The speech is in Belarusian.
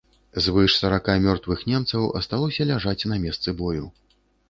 Звыш сарака мёртвых немцаў асталося ляжаць на месцы бою.